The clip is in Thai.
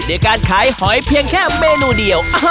ด้วยการขายหอยเพียงแค่เมนูเดียว